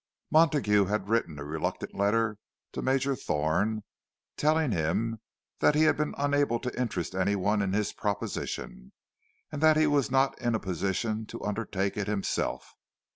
Montague had written a reluctant letter to Major Thorne, telling him that he had been unable to interest anyone in his proposition, and that he was not in position to undertake it himself.